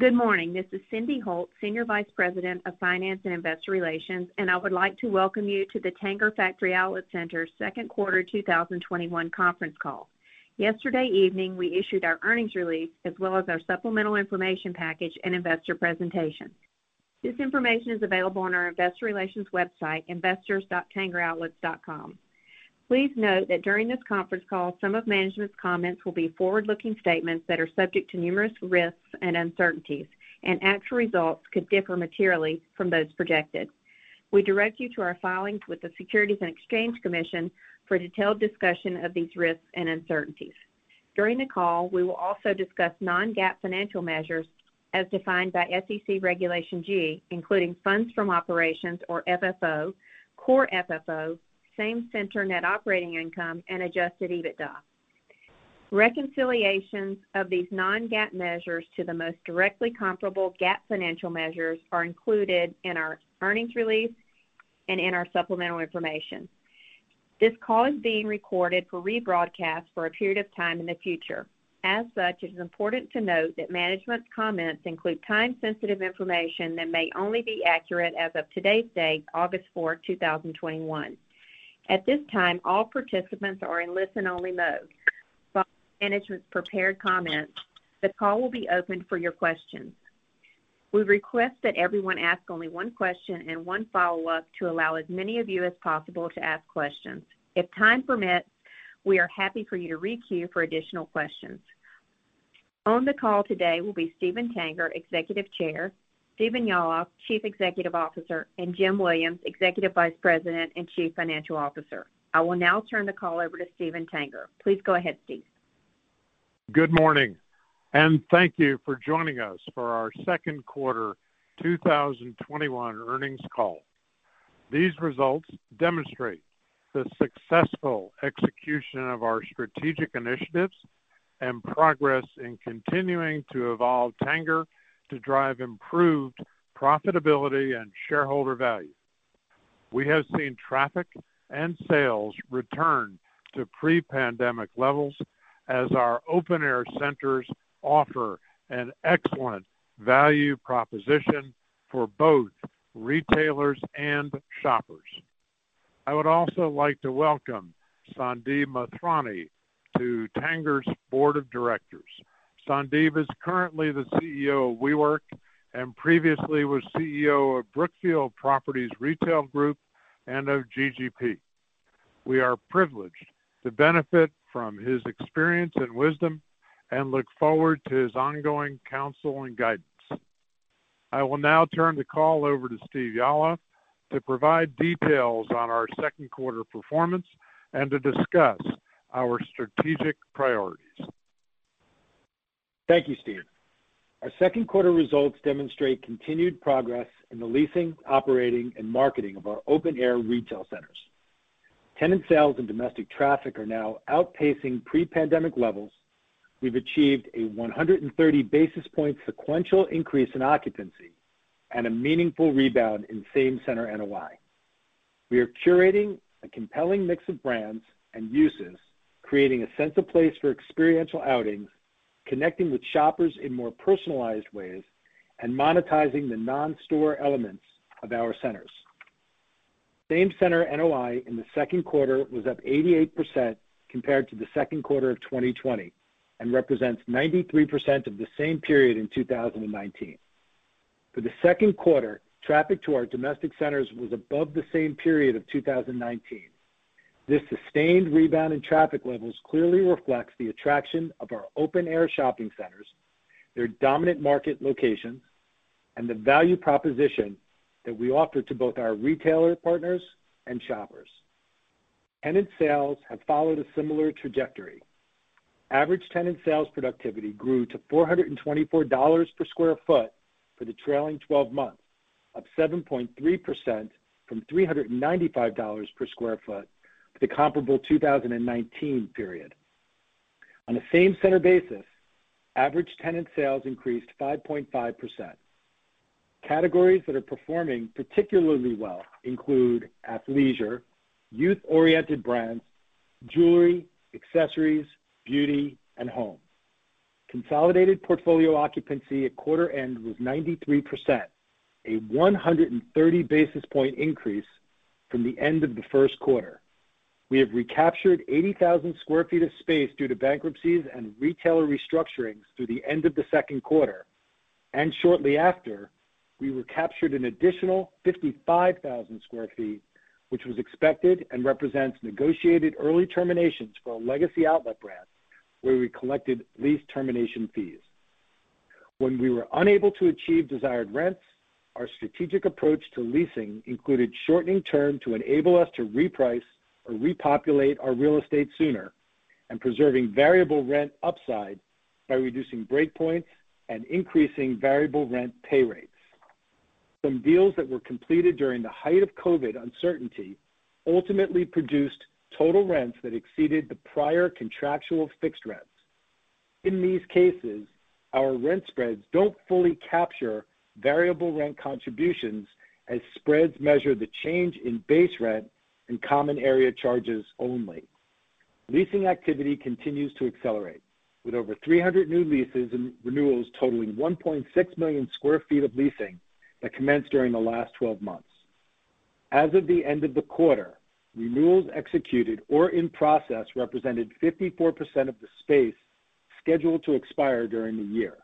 Good morning. This is Cyndi Holt, Senior Vice President of Finance and Investor Relations, and I would like to welcome you to the Tanger Factory Outlet Centers second quarter 2021 conference call. Yesterday evening, we issued our earnings release as well as our supplemental information package and investor presentation. This information is available on our investor relations website, investors.tanger.com. Please note that during this conference call, some of management's comments will be forward-looking statements that are subject to numerous risks and uncertainties, and actual results could differ materially from those projected. We direct you to our filings with the Securities and Exchange Commission for a detailed discussion of these risks and uncertainties. During the call, we will also discuss non-GAAP financial measures as defined by SEC Regulation G, including Funds From Operations or FFO, core FFO, same-center Net Operating Income, and adjusted EBITDA. Reconciliations of these non-GAAP measures to the most directly comparable GAAP financial measures are included in our earnings release and in our supplemental information. This call is being recorded for rebroadcast for a period of time in the future. As such, it is important to note that management's comments include time-sensitive information that may only be accurate as of today's date, August 4th, 2021. At this time, all participants are in listen-only mode. Following management's prepared comments, the call will be opened for your questions. We request that everyone ask only one question and one follow-up to allow as many of you as possible to ask questions. If time permits, we are happy for you to re-queue for additional questions. On the call today will be Steven Tanger, Executive Chair, Stephen Yalof, Chief Executive Officer, and Jim Williams, Executive Vice President and Chief Financial Officer. I will now turn the call over to Steven Tanger. Please go ahead, Steve. Good morning, and thank you for joining us for our second quarter 2021 earnings call. These results demonstrate the successful execution of our strategic initiatives and progress in continuing to evolve Tanger to drive improved profitability and shareholder value. We have seen traffic and sales return to pre-pandemic levels as our open-air centers offer an excellent value proposition for both retailers and shoppers. I would also like to welcome Sandeep Mathrani to Tanger's Board of Directors. Sandeep is currently the CEO of WeWork and previously was CEO of Brookfield Properties Retail Group and of GGP. We are privileged to benefit from his experience and wisdom and look forward to his ongoing counsel and guidance. I will now turn the call over to Stephen Yalof to provide details on our second quarter performance and to discuss our strategic priorities. Thank you, Steven. Our second quarter results demonstrate continued progress in the leasing, operating, and marketing of our open-air retail centers. Tenant sales and domestic traffic are now outpacing pre-pandemic levels. We've achieved a 130 basis point sequential increase in occupancy and a meaningful rebound in same-center NOI. We are curating a compelling mix of brands and uses, creating a sense of place for experiential outings, connecting with shoppers in more personalized ways, and monetizing the non-store elements of our centers. same-center NOI in the second quarter was up 88% compared to the second quarter of 2020 and represents 93% of the same period in 2019. For the second quarter, traffic to our domestic centers was above the same period of 2019. This sustained rebound in traffic levels clearly reflects the attraction of our open-air shopping centers, their dominant market locations, and the value proposition that we offer to both our retailer partners and shoppers. Tenant sales have followed a similar trajectory. Average tenant sales productivity grew to $424/sq ft for the trailing 12 months, up 7.3% from $395/sq ft for the comparable 2019 period. On a same-center basis, average tenant sales increased 5.5%. Categories that are performing particularly well include athleisure, youth-oriented brands, jewelry, accessories, beauty, and home. Consolidated portfolio occupancy at quarter end was 93%, a 130 basis point increase from the end of the first quarter. We have recaptured 80,000 sq ft of space due to bankruptcies and retailer restructurings through the end of the second quarter. Shortly after, we recaptured an additional 55,000 sq ft, which was expected and represents negotiated early terminations for our legacy outlet brands, where we collected lease termination fees. When we were unable to achieve desired rents, our strategic approach to leasing included shortening term to enable us to reprice or repopulate our real estate sooner and preserving variable rent upside by reducing breakpoints and increasing variable rent pay rates. Some deals that were completed during the height of COVID uncertainty ultimately produced total rents that exceeded the prior contractual fixed rents. In these cases, our rent spreads don't fully capture variable rent contributions as spreads measure the change in base rent and common area charges only. Leasing activity continues to accelerate with over 300 new leases and renewals totaling 1.6 million sq ft of leasing that commenced during the last 12 months. As of the end of the quarter, renewals executed or in process represented 54% of the space scheduled to expire during the year.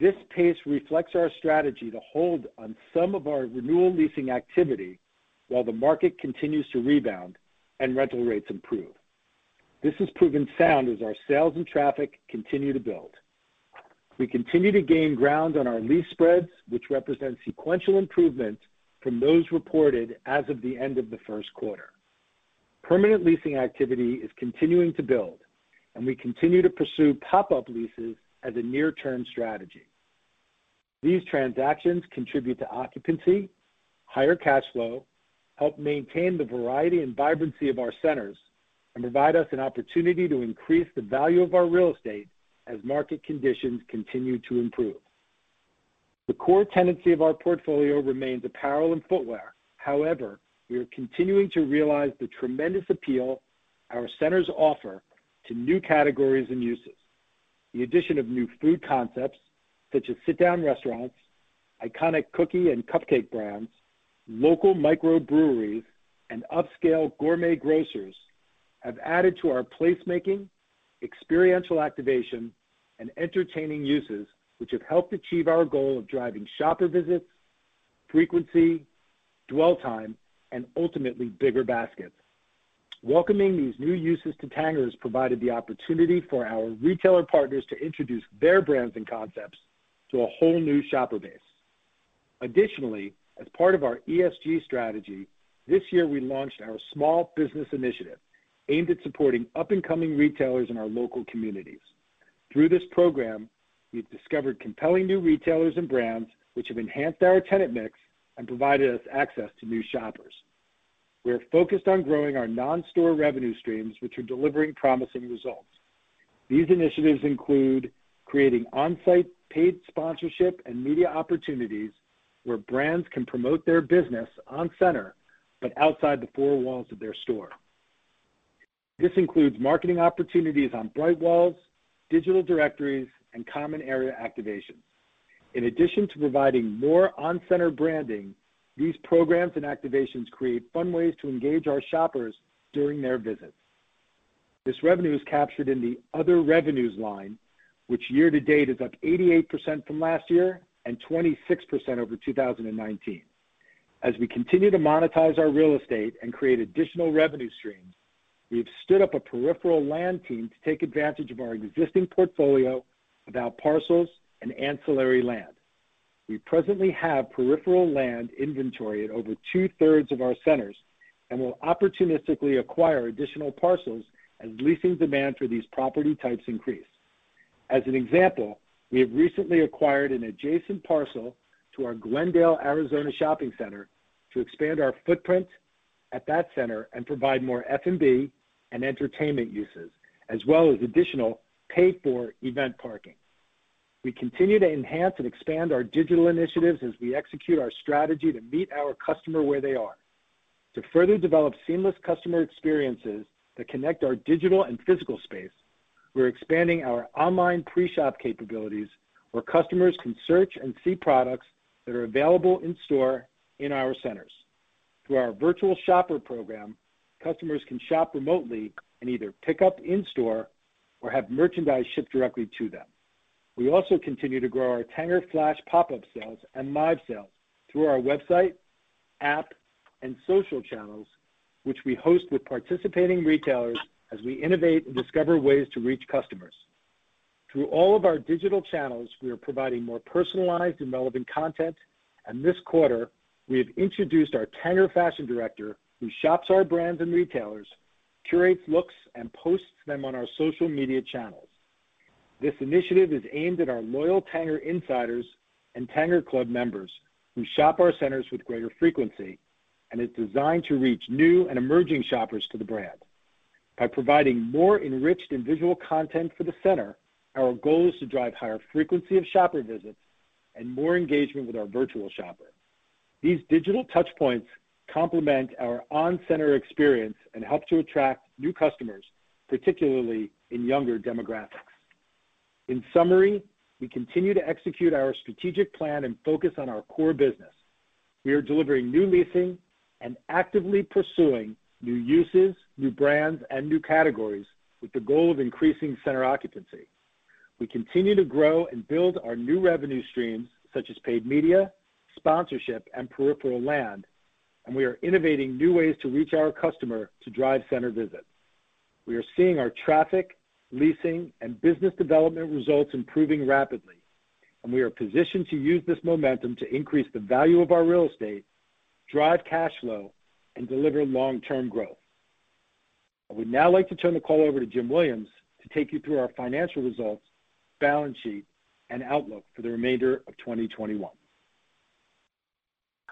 This pace reflects our strategy to hold on some of our renewal leasing activity while the market continues to rebound and rental rates improve. This has proven sound as our sales and traffic continue to build. We continue to gain ground on our lease spreads, which represent sequential improvement from those reported as of the end of the first quarter. Permanent leasing activity is continuing to build, and we continue to pursue pop-up leases as a near-term strategy. These transactions contribute to occupancy, higher cash flow, help maintain the variety and vibrancy of our centers, and provide us an opportunity to increase the value of our real estate as market conditions continue to improve. The core tenancy of our portfolio remains apparel and footwear. However, we are continuing to realize the tremendous appeal our centers offer to new categories and uses. The addition of new food concepts such as sit-down restaurants, iconic cookie and cupcake brands, local microbreweries, and upscale gourmet grocers have added to our placemaking, experiential activation, and entertaining uses, which have helped achieve our goal of driving shopper visits, frequency, dwell time, and ultimately bigger baskets. Welcoming these new uses to Tanger has provided the opportunity for our retailer partners to introduce their brands and concepts to a whole new shopper base. Additionally, as part of our ESG strategy, this year we launched our small business initiative aimed at supporting up-and-coming retailers in our local communities. Through this program, we've discovered compelling new retailers and brands, which have enhanced our tenant mix and provided us access to new shoppers. We are focused on growing our non-store revenue streams, which are delivering promising results. These initiatives include creating on center paid sponsorship and media opportunities where brands can promote their business on center, but outside the four walls of their store. This includes marketing opportunities on bright walls, digital directories, and common area activation. In addition to providing more on-center branding, these programs and activations create fun ways to engage our shoppers during their visits. This revenue is captured in the other revenues line, which year-to-date is up 88% from last year and 26% over 2019. As we continue to monetize our real estate and create additional revenue streams, we have stood up a peripheral land team to take advantage of our existing portfolio of outparcels and ancillary land. We presently have peripheral land inventory at over 2/3 of our centers and will opportunistically acquire additional parcels as leasing demand for these property types increase. As an example, we have recently acquired an adjacent parcel to our Glendale, Arizona shopping center to expand our footprint at that center and provide more F&B and entertainment uses, as well as additional paid-for event parking. We continue to enhance and expand our digital initiatives as we execute our strategy to meet our customer where they are. To further develop seamless customer experiences that connect our digital and physical space, we're expanding our online pre-shop capabilities, where customers can search and see products that are available in store in our centers. Through our virtual shopper program, customers can shop remotely and either pick up in store or have merchandise shipped directly to them. We also continue to grow our Tanger Flash pop-up sales and live sales through our website, app, and social channels, which we host with participating retailers as we innovate and discover ways to reach customers. Through all of our digital channels, we are providing more personalized and relevant content. This quarter, we have introduced our Tanger fashion director, who shops our brands and retailers, curates looks, and posts them on our social media channels. This initiative is aimed at our loyal Tanger Insiders and TangerClub members who shop our centers with greater frequency and is designed to reach new and emerging shoppers to the brand. By providing more enriched and visual content for the center, our goal is to drive higher frequency of shopper visits and more engagement with our virtual shopper. These digital touchpoints complement our on-center experience and help to attract new customers, particularly in younger demographics. In summary, we continue to execute our strategic plan and focus on our core business. We are delivering new leasing and actively pursuing new uses, new brands, and new categories with the goal of increasing center occupancy. We continue to grow and build our new revenue streams, such as paid media, sponsorship, and peripheral land, and we are innovating new ways to reach our customer to drive center visits. We are seeing our traffic, leasing, and business development results improving rapidly, and we are positioned to use this momentum to increase the value of our real estate, drive cash flow, and deliver long-term growth. I would now like to turn the call over to Jim Williams to take you through our financial results, balance sheet, and outlook for the remainder of 2021.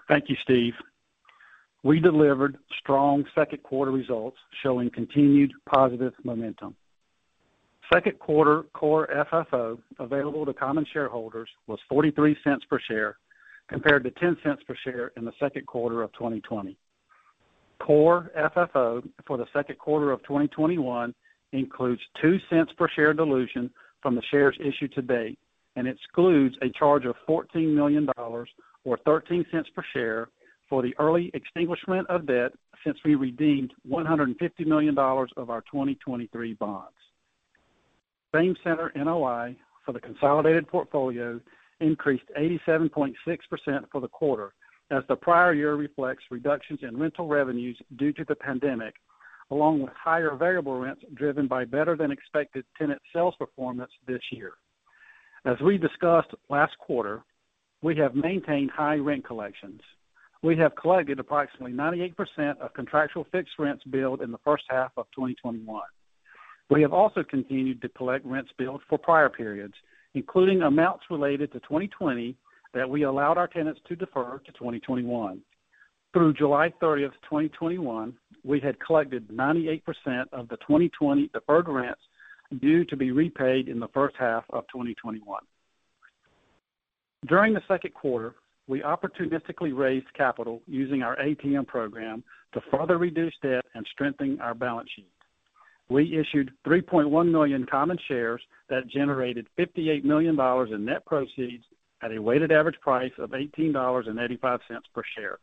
Thank you, Stephen. We delivered strong second quarter results showing continued positive momentum. Second quarter core FFO available to common shareholders was $0.43 per share compared to $0.10 per share in the second quarter of 2020. Core FFO for the second quarter of 2021 includes $0.02 per share dilution from the shares issued to date and excludes a charge of $14 million or $0.13 per share for the early extinguishment of debt since we redeemed $150 million of our 2023 bonds. Same-center NOI for the consolidated portfolio increased 87.6% for the quarter, as the prior year reflects reductions in rental revenues due to the pandemic, along with higher variable rents driven by better than expected tenant sales performance this year. As we discussed last quarter, we have maintained high rent collections. We have collected approximately 98% of contractual fixed rents billed in the first half of 2021. We have also continued to collect rents billed for prior periods, including amounts related to 2020 that we allowed our tenants to defer to 2021. Through July 30th, 2021, we had collected 98% of the 2020 deferred rents due to be repaid in the first half of 2021. During the second quarter, we opportunistically raised capital using our ATM program to further reduce debt and strengthen our balance sheet. We issued 3.1 million common shares that generated $58 million in net proceeds at a weighted average price of $18.85 per share.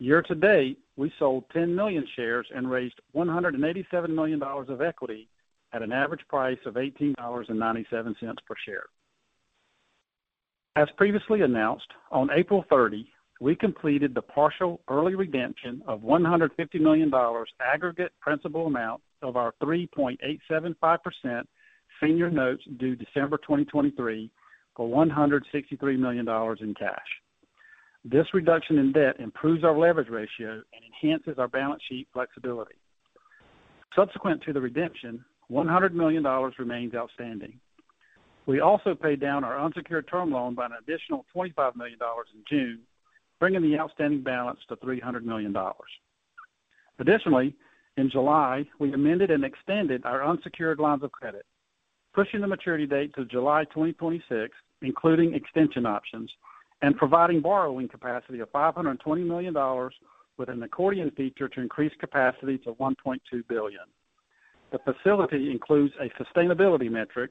Year-to-date, we sold 10 million shares and raised $187 million of equity at an average price of $18.97 per share. As previously announced, on April 30th, we completed the partial early redemption of $150 million aggregate principal amount of our 3.875% senior notes due December 2023 for $163 million in cash. This reduction in debt improves our leverage ratio and enhances our balance sheet flexibility. Subsequent to the redemption, $100 million remains outstanding. We also paid down our unsecured term loan by an additional $25 million in June, bringing the outstanding balance to $300 million. In July, we amended and extended our unsecured lines of credit, pushing the maturity date to July 2026, including extension options and providing borrowing capacity of $520 million with an accordion feature to increase capacity to $1.2 billion. The facility includes a sustainability metric,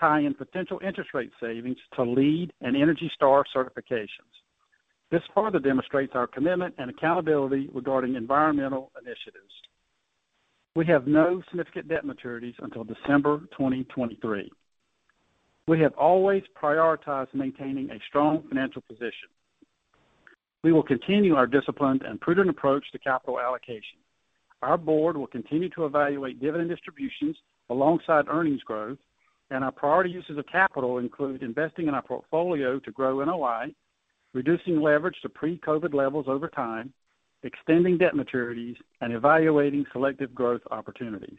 tying potential interest rate savings to LEED and ENERGY STAR certifications. This further demonstrates our commitment and accountability regarding environmental initiatives. We have no significant debt maturities until December 2023. We have always prioritized maintaining a strong financial position. We will continue our disciplined and prudent approach to capital allocation. Our board will continue to evaluate dividend distributions alongside earnings growth. Our priority uses of capital include investing in our portfolio to grow NOI, reducing leverage to pre-COVID levels over time, extending debt maturities, and evaluating selective growth opportunities.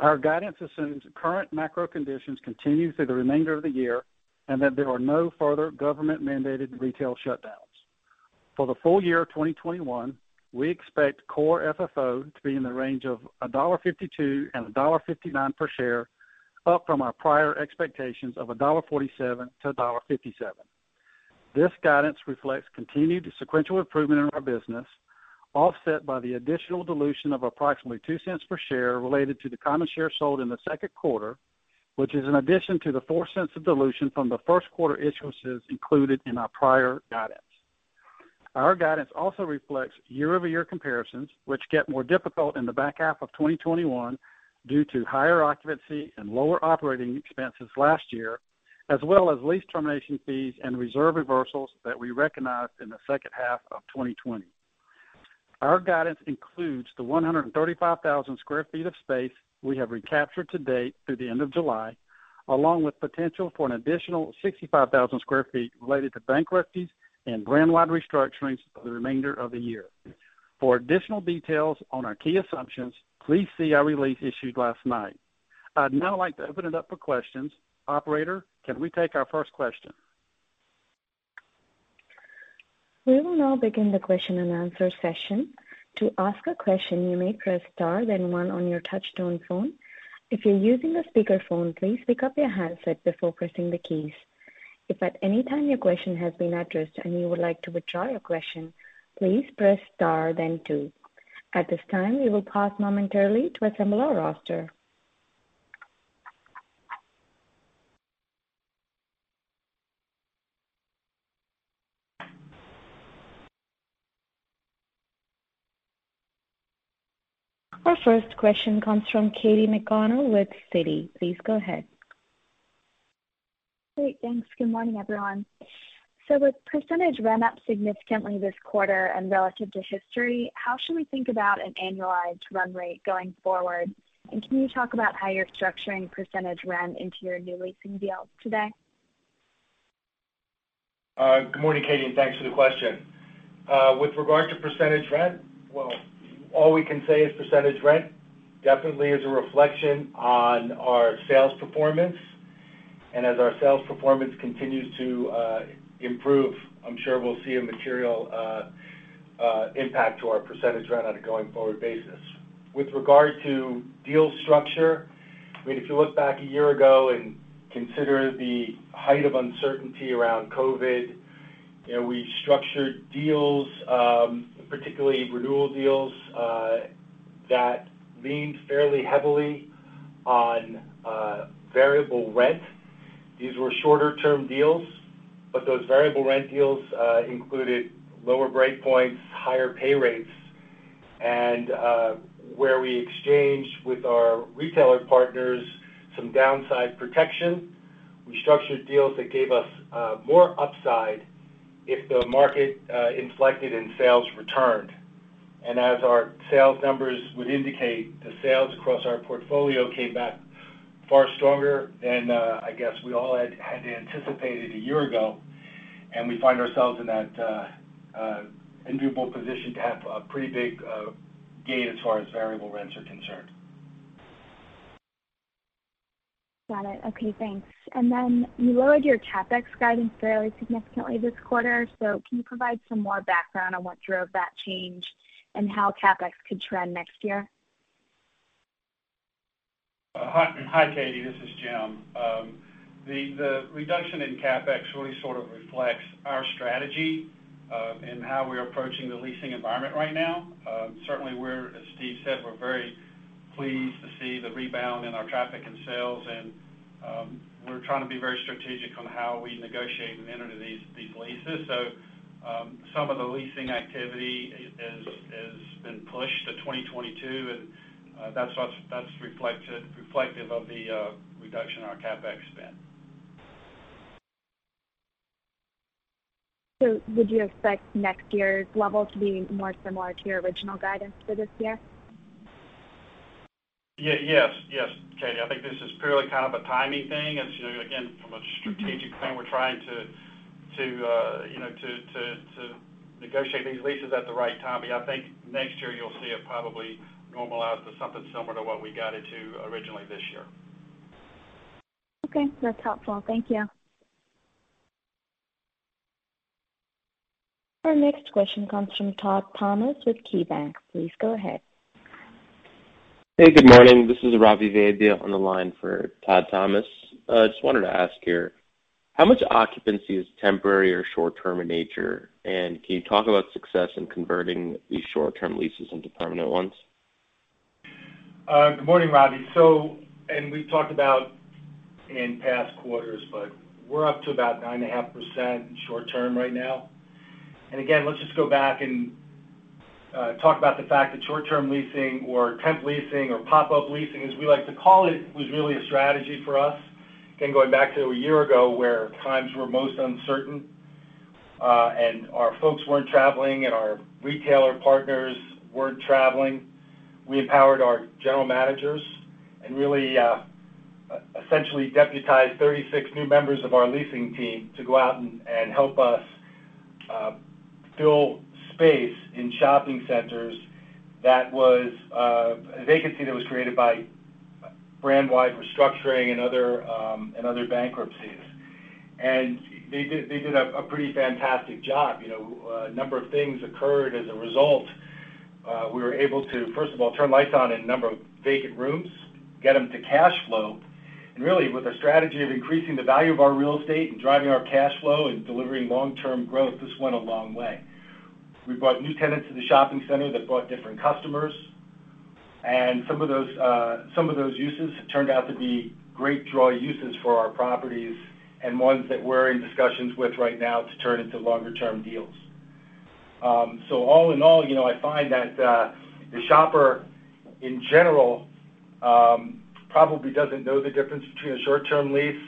Our guidance assumes current macro conditions continue through the remainder of the year and that there are no further government-mandated retail shutdowns. For the full-year of 2021, we expect core FFO to be in the range of $1.52-$1.59 per share, up from our prior expectations of $1.47-$1.57. This guidance reflects continued sequential improvement in our business, offset by the additional dilution of approximately $0.02 per share related to the common shares sold in the second quarter, which is an addition to the $0.04 of dilution from the first quarter issuances included in our prior guidance. Our guidance also reflects year-over-year comparisons, which get more difficult in the back half of 2021 due to higher occupancy and lower operating expenses last year, as well as lease termination fees and reserve reversals that we recognized in the second half of 2020. Our guidance includes the 135,000 sq ft of space we have recaptured to date through the end of July, along with potential for an additional 65,000 sq ft related to bankruptcies and brand-wide restructurings for the remainder of the year. For additional details on our key assumptions, please see our release issued last night. I'd now like to open it up for questions. Operator, can we take our first question? Our first question comes from Katy McConnell with Citi. Please go ahead. Great, thanks. Good morning, everyone. With percentage rent up significantly this quarter and relative to history, how should we think about an annualized run rate going forward? Can you talk about how you're structuring percentage rent into your new leasing deals today? Good morning, Katy, and thanks for the question. With regard to percentage rent, well, all we can say is percentage rent definitely is a reflection on our sales performance. As our sales performance continues to improve, I'm sure we'll see a material impact to our percentage rent on a going forward basis. With regard to deal structure, if you look back a year ago and consider the height of uncertainty around COVID, we structured deals, particularly renewal deals, that leaned fairly heavily on variable rent. These were shorter term deals, but those variable rent deals included lower break points, higher pay rates, and where we exchanged with our retailer partners some downside protection. We structured deals that gave us more upside if the market inflected and sales returned. As our sales numbers would indicate, the sales across our portfolio came back far stronger than, I guess, we all had anticipated a year ago, and we find ourselves in that enviable position to have a pretty big gain as far as variable rents are concerned. Got it. Okay, thanks. You lowered your CapEx guidance fairly significantly this quarter. Can you provide some more background on what drove that change and how CapEx could trend next year? Hi, Katy, this is Jim. The reduction in CapEx really sort of reflects our strategy, in how we're approaching the leasing environment right now. Certainly, as Stephen said, we're very pleased to see the rebound in our traffic and sales, and we're trying to be very strategic on how we negotiate and enter these leases. Some of the leasing activity has been pushed to 2022, and that's reflective of the reduction in our CapEx spend. Would you expect next year's level to be more similar to your original guidance for this year? Yes, Katy, I think this is purely kind of a timing thing. From a strategic plan, we're trying to negotiate these leases at the right time. I think next year you'll see it probably normalize to something similar to what we got into originally this year. Okay, that's helpful. Thank you. Our next question comes from Todd Thomas with KeyBanc. Please go ahead. Hey, good morning. This is Ravi Vaidya on the line for Todd Thomas. Just wanted to ask here, how much occupancy is temporary or short-term in nature? Can you talk about success in converting these short-term leases into permanent ones? Good morning, Ravi. We've talked about in past quarters, but we're up to about 9.5% in short term right now. Again, let's just go back and talk about the fact that short-term leasing or temp leasing or pop-up leasing, as we like to call it, was really a strategy for us. Again, going back to a year ago where times were most uncertain, and our folks weren't traveling and our retailer partners weren't traveling. We empowered our general managers and really essentially deputized 36 new members of our leasing team to go out and help us fill space in shopping centers that was a vacancy that was created by brand-wide restructuring and other bankruptcies. They did a pretty fantastic job. A number of things occurred as a result. We were able to, first of all, turn lights on in a number of vacant rooms, get them to cash flow, and really with a strategy of increasing the value of our real estate and driving our cash flow and delivering long-term growth, this went a long way. We brought new tenants to the shopping center that brought different customers, and some of those uses turned out to be great draw uses for our properties and ones that we're in discussions with right now to turn into longer-term deals. All in all, I find that, the shopper in general, probably doesn't know the difference between a short-term lease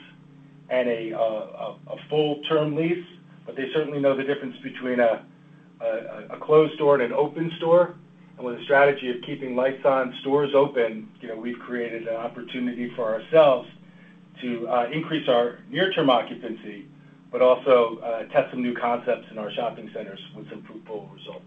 and a full-term lease, but they certainly know the difference between a closed store and an open store. With a strategy of keeping lights on, stores open, we've created an opportunity for ourselves to increase our near-term occupancy, but also test some new concepts in our shopping centers with some fruitful results.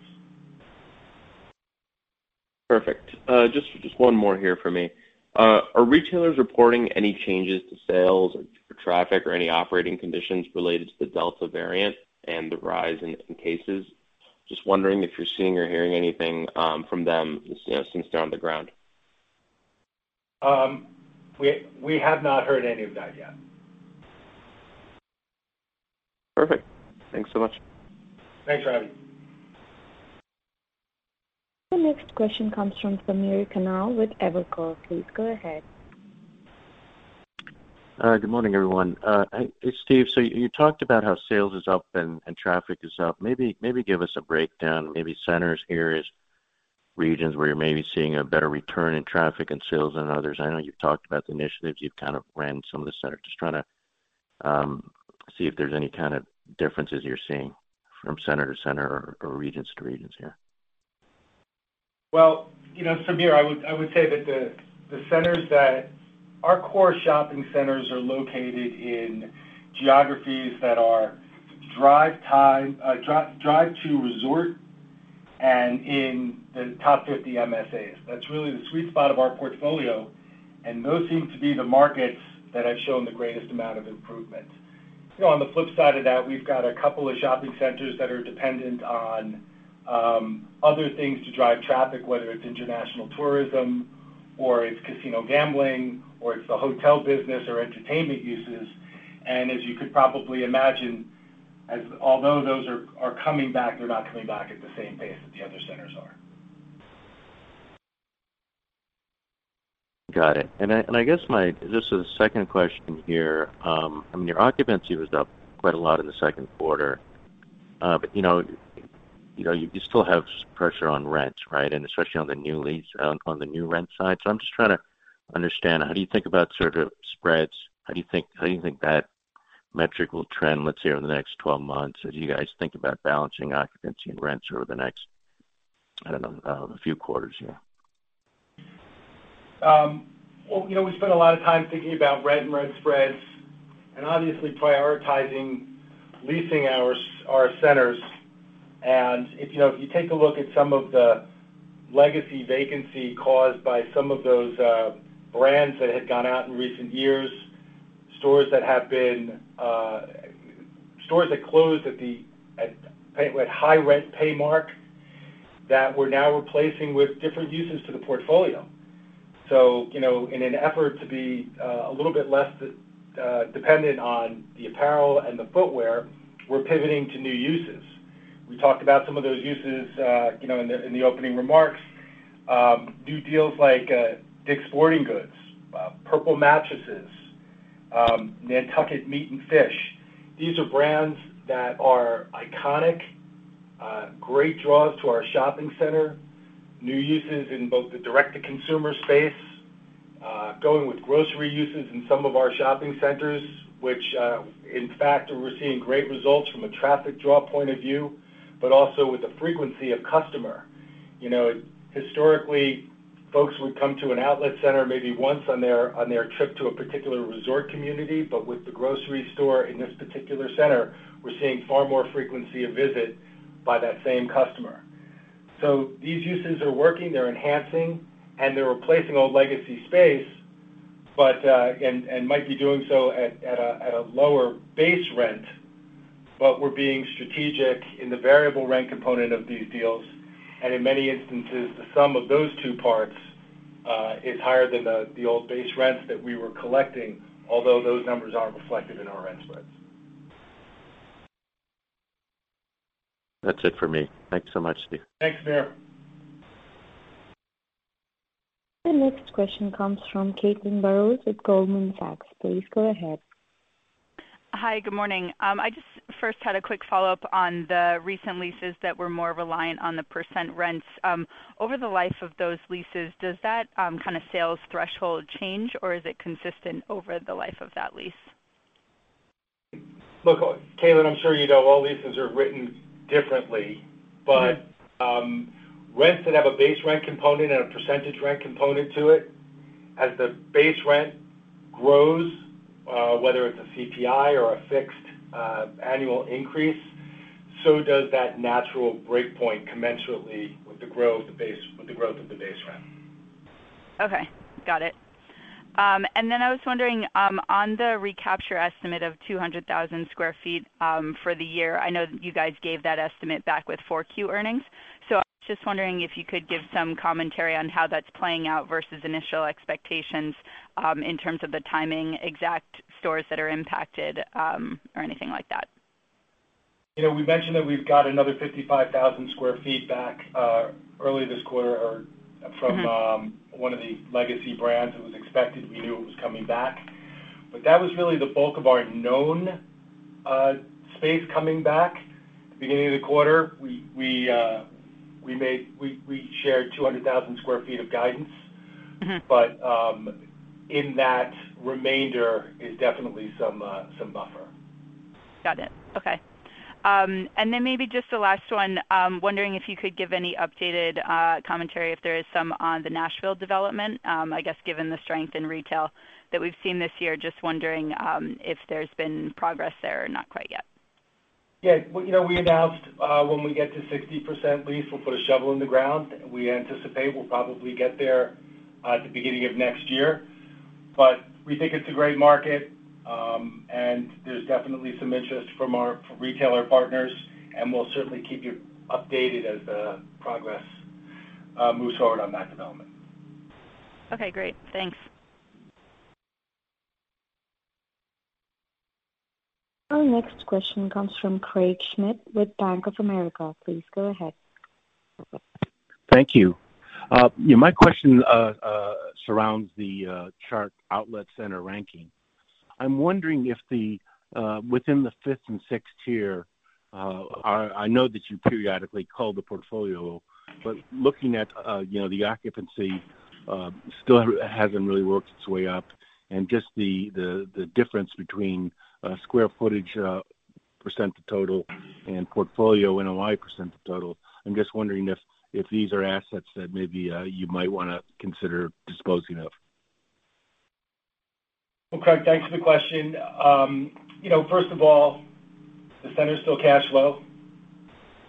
Perfect. Just one more here from me. Are retailers reporting any changes to sales or traffic or any operating conditions related to the Delta variant and the rise in cases? Just wondering if you're seeing or hearing anything from them since they're on the ground. We have not heard any of that yet. Perfect. Thanks so much. Thanks, Ravi. The next question comes from Samir Khanal with Evercore. Please go ahead. Good morning, everyone. Hey, Stephen, you talked about how sales is up and traffic is up. Maybe give us a breakdown, maybe centers, areas, regions where you're maybe seeing a better return in traffic and sales than others? I know you've talked about the initiatives, you've kind of ran some of the centers. Trying to see if there's any kind of differences you're seeing from center to center or regions to regions here. Well, Samir, I would say that our core shopping centers are located in geographies that are drive-to resort and in the top 50 MSAs. That's really the sweet spot of our portfolio, and those seem to be the markets that have shown the greatest amount of improvement. On the flip side of that, we've got a couple of shopping centers that are dependent on other things to drive traffic, whether it's international tourism or it's casino gambling or it's the hotel business or entertainment uses. As you could probably imagine, although those are coming back, they're not coming back at the same pace that the other centers are. Got it. I guess just as a second question here. Your occupancy was up quite a lot in the second quarter. You still have pressure on rents, right? Especially on the new lease, on the new rent side. I'm just trying to understand, how do you think about sort of spreads? How do you think that metric will trend, let's say, over the next 12 months, as you guys think about balancing occupancy and rents over the next, I don't know, few quarters here? We spend a lot of time thinking about rent and rent spreads, obviously prioritizing leasing our centers. If you take a look at some of the legacy vacancy caused by some of those brands that had gone out in recent years. Stores that closed at high rent pay mark that we're now replacing with different uses to the portfolio. In an effort to be a little bit less dependent on the apparel and the footwear, we're pivoting to new uses. We talked about some of those uses in the opening remarks. New deals like Dick's Sporting Goods, Purple Mattresses, Nantucket Meat & Fish. These are brands that are iconic, great draws to our shopping center, new uses in both the direct-to-consumer space, going with grocery uses in some of our shopping centers, which in fact, we're seeing great results from a traffic draw point of view, but also with the frequency of customer. Historically, folks would come to an outlet center maybe once on their trip to a particular resort community, but with the grocery store in this particular center, we're seeing far more frequency of visit by that same customer. These uses are working, they're enhancing, and they're replacing old legacy space, and might be doing so at a lower base rent. We're being strategic in the variable rent component of these deals. In many instances, the sum of those two parts is higher than the old base rents that we were collecting, although those numbers aren't reflected in our rent spreads. That's it for me. Thanks so much, Stephen. Thanks, Samir. The next question comes from Caitlin Burrows with Goldman Sachs. Please go ahead. Hi, good morning. I just first had a quick follow-up on the recent leases that were more reliant on the percent rents. Over the life of those leases, does that kind of sales threshold change, or is it consistent over the life of that lease? Look, Caitlin, I'm sure you know all leases are written differently. Rents that have a base rent component and a percentage rent component to it, as the base rent grows, whether it's a CPI or a fixed annual increase, so does that natural break point commensurately with the growth of the base rent. Okay, got it. I was wondering, on the recapture estimate of 200,000 sq ft for the year, I know you guys gave that estimate back with 4Q earnings. I was just wondering if you could give some commentary on how that's playing out versus initial expectations in terms of the timing, exact stores that are impacted, or anything like that. We mentioned that we've got another 55,000 sq ft back early this quarter from one of the legacy brands. It was expected, we knew it was coming back. That was really the bulk of our known space coming back. Beginning of the quarter, we shared 200,000 sq ft of guidance. In that remainder is definitely some buffer. Got it, okay. Maybe just the last one. Wondering if you could give any updated commentary, if there is some on the Nashville development. I guess given the strength in retail that we've seen this year, just wondering if there's been progress there or not quite yet. We announced when we get to 60% lease, we'll put a shovel in the ground. We anticipate we'll probably get there at the beginning of next year. We think it's a great market, and there's definitely some interest from our retailer partners, and we'll certainly keep you updated as the progress moves forward on that development. Okay, great. Thanks. Our next question comes from Craig Schmidt with Bank of America. Please go ahead. Thank you. My question surrounds the chart outlet center ranking. I'm wondering if within the fifth and sixth tier, I know that you periodically cull the portfolio, but looking at the occupancy still hasn't really worked its way up. Just the difference between square footage percent of total and portfolio NOI percent of total, I'm just wondering if these are assets that maybe you might want to consider disposing of. Well, Craig, thanks for the question. First of all, the center's still cash flow,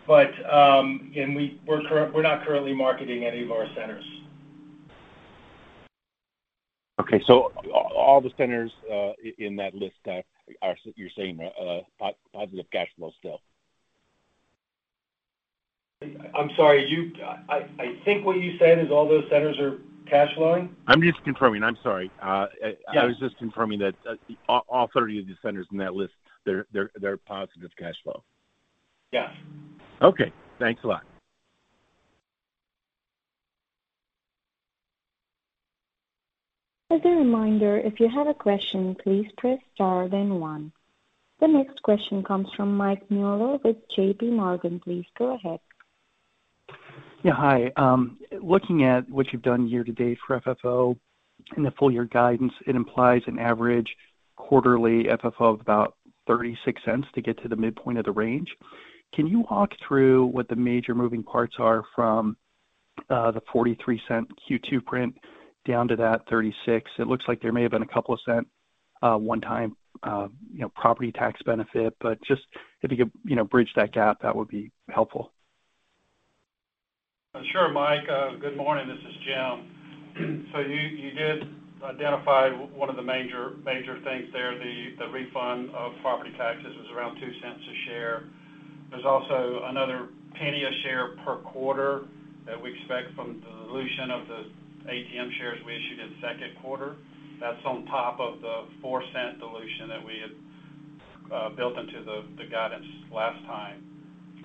but we're not currently marketing any of our centers. Okay. All the centers in that list, you're saying, are positive cash flow still? I'm sorry. I think what you said is all those centers are cash flowing. I'm just confirming. I'm sorry. I was just confirming that all 30 of the centers in that list, they're positive cash flow. Yeah. Okay, thanks a lot. As a reminder, if you have a question, please press star then one. The next question comes from Mike Mueller with JPMorgan. Please go ahead. Yeah, hi. Looking at what you've done year-to-date for FFO and the full-year guidance, it implies an average quarterly FFO of about $0.36 to get to the midpoint of the range. Can you walk through what the major moving parts are from the $0.43 Q2 print down to that $0.36? It looks like there may have been a couple of $0.01 one-time property tax benefit, but just if you could bridge that gap, that would be helpful. Sure, Mike. Good morning. This is Jim. You did identify one of the major things there, the refund of property taxes was around $0.02 a share. There's also another $0.01 a share per quarter that we expect from the dilution of the ATM shares we issued in the second quarter. That's on top of the $0.04 dilution that we had built into the guidance last time.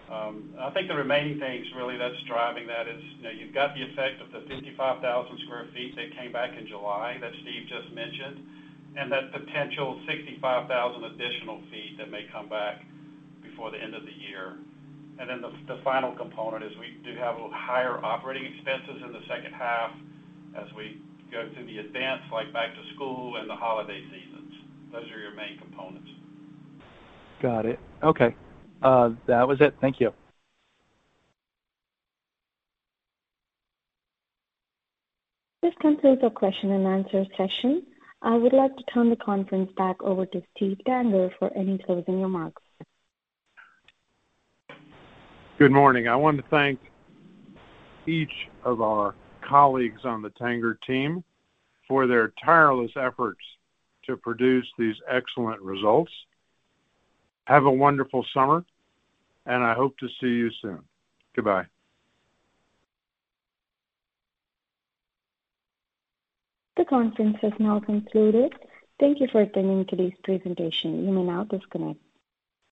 The remaining things really that's driving that is, you've got the effect of the 55,000 sq ft that came back in July that Stephen just mentioned, and that potential 65,000 additional feet that may come back before the end of the year. The final component is we do have higher operating expenses in the second half as we go through the events like back to school and the holiday seasons. Those are your main components. Got it. Okay, that was it. Thank you. This concludes our question-and-answer session. I would like to turn the conference back over to Steven Tanger for any closing remarks. Good morning. I want to thank each of our colleagues on the Tanger team for their tireless efforts to produce these excellent results. Have a wonderful summer, and I hope to see you soon. Goodbye. The conference has now concluded. Thank you for attending today's presentation. You may now disconnect.